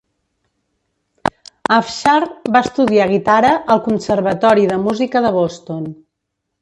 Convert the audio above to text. Afshar va estudiar guitara al Conservatori de Música de Boston.